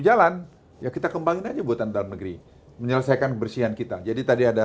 jalan ya kita kembangin aja buatan dalam negeri menyelesaikan kebersihan kita jadi tadi ada